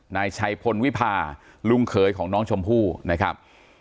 นายชัยพลวิพาลุงเขยของน้องชมพู่นะครับ